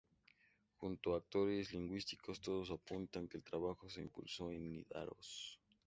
Junto a factores lingüísticos, todo apunta que el trabajo se compuso en Nidaros.